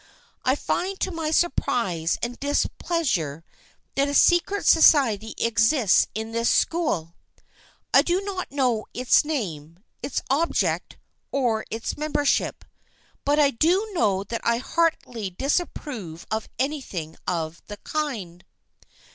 I find to my surprise and dis pleasure that a secret society exists in this school ! I do not know its name, its object, or its member ship, but I do know that I heartily disapprove of anything of the kind.